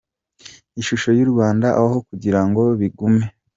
ishusho y’u Rwanda aho kugira ngo bigume.